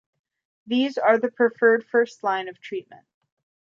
These are the preferred first line of treatment.